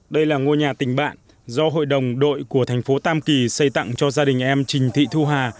đây là ngôi nhà tình bạn do hội đồng đội tp tam kỳ xây tặng cho gia đình em trình thị thu hà